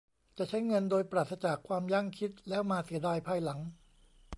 จะใช้เงินโดยปราศจากความยั้งคิดแล้วมาเสียดายภายหลัง